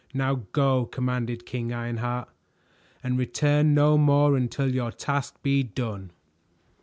Now go," commanded King Ironheart, "and return no more until your task be done."